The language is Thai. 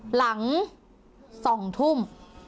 หลัง๒ทุ่ม